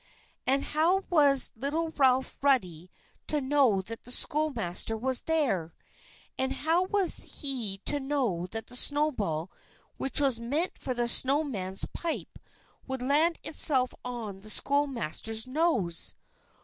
And how was little Ralph Ruddy to know that the schoolmaster was there? And how was he to know that the snowball which was meant for the snow man's pipe would land itself on the schoolmaster's nose?